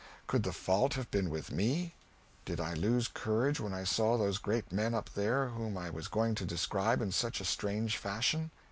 Could the fault have been with me? Did I lose courage when I saw those great men up there whom I was going to describe in such a strange fashion?